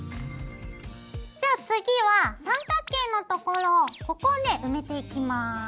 じゃあ次は三角形のところをここをね埋めていきます。